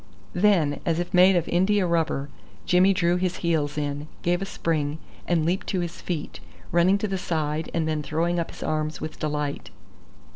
Then, as if made of india rubber, Jimmy drew his heels in, gave a spring, and leaped to his feet, running to the side, and then throwing up his arms with delight.